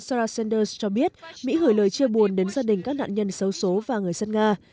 sarah sanders cho biết mỹ gửi lời chia buồn đến gia đình các nạn nhân xấu xố và người dân nga